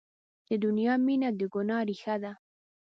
د دنیا مینه د ګناه ریښه ده.